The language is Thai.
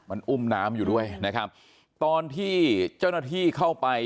มันอุ้มน้ำอยู่ด้วยนะครับตอนที่เจ้าหน้าที่เข้าไป